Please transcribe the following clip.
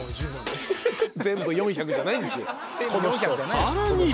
［さらに］